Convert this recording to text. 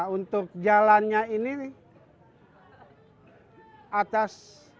untuk jalannya ini atas